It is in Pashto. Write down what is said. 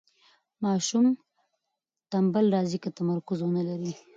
ماشوم ټنبل راځي که تمرکز ونلري.